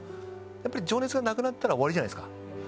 やっぱり情熱がなくなったら終わりじゃないですか。